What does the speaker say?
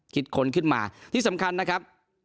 ค้นขึ้นมาที่สำคัญนะครับ